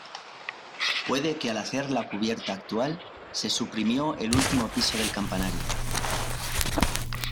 Puede que al hacer la cubierta actual se suprimió el último piso del campanario.